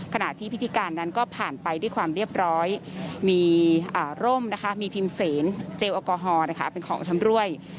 ขณะที่พิธีการนั้นก็ผ่านไปด้วยความเรียบร้อยมีร่มมีพิมพ์เสนเจลแอลกอฮอลเป็นของชำรวย